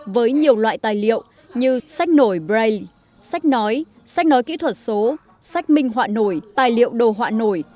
với nhiều loại tài liệu như sách nổi brail sách nói sách nói kỹ thuật số sách minh họa nổi tài liệu đồ họa nổi